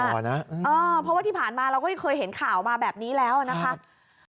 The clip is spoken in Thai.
เพราะว่าที่ผ่านมาเราก็เคยเห็นข่าวมาแบบนี้แล้วนะคะ